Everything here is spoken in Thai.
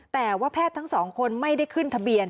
แต่ว่าแพทย์ทั้งสองคนไม่ได้ขึ้นทะเบียน